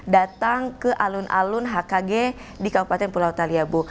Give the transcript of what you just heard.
datang ke alun alun hkg di kabupaten pulau thaliabu